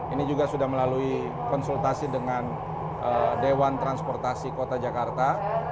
ini juga sudah melalui konsultasi dengan dewan transportasi kota jakarta